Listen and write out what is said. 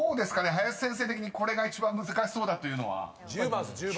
林先生的にこれが一番難しそうだというのは］